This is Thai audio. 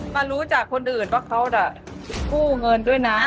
มารู้จากคนอื่นว่าเขาจะกู้เงินด้วยนะ